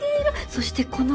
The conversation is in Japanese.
そしてこの形。